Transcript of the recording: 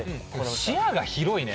視野が広いね。